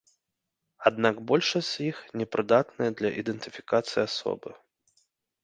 Аднак большасць з іх непрыдатныя для ідэнтыфікацыі асобы.